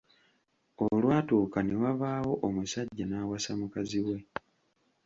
Olwatuuka ne wabaawo omusajja n’awasa mukazi we.